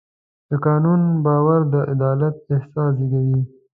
د قانون باور د عدالت احساس زېږوي.